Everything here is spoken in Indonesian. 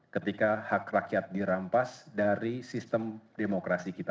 ketika hak rakyat dirampas dari sistem demokrasi kita